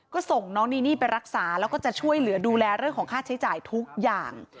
ก็ส่งน้องนีนี่ไปรักษาแล้วก็จะช่วยเหลือดูแลเรื่องของค่าใช้จ่ายทุกอย่าง